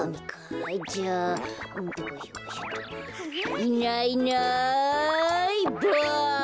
いないいないばあ！